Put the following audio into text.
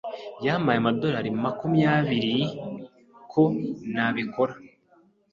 Yampaye amadorari makumyabiri ko ntabikora.